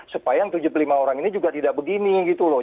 supaya yang tujuh puluh lima orang ini juga tidak begini gitu loh